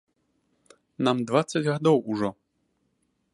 Нам дваццаць гадоў ужо.